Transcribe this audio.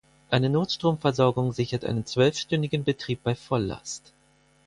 Eine Notstromversorgung sichert einen zwölfstündigen Betrieb bei Volllast.